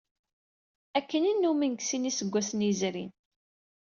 Akken i nnumen deg sin n yiseggasen yezrin.